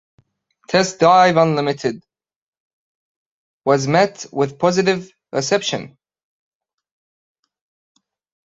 "Test Drive Unlimited" was met with positive reception.